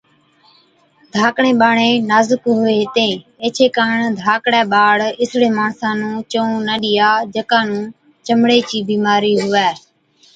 ڌاڪڙين ٻاڙين نازڪ هُوي هِتين ايڇي ڪاڻ ڌاڪڙَي ٻاڙ اِسڙي ماڻسا نُون چوئُون نہ ڏِيا، جڪا نُون چمڙي چِي بِيمارِي هُوَي۔